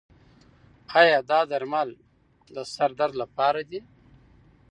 ایا دا درمل د سر درد لپاره دي؟